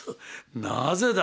なぜだ？